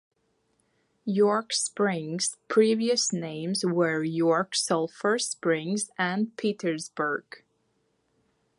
York Springs' previous names were York Sulphur Springs and Petersburg.